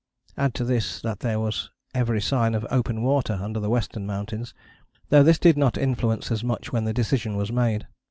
Add to this that there was every sign of open water under the Western Mountains, though this did not influence us much when the decision was made.